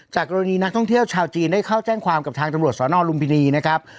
กรณีนักท่องเที่ยวชาวจีนได้เข้าแจ้งความกับทางตำรวจสนลุมพินีนะครับ